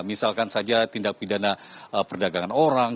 misalkan saja tindak pidana perdagangan orang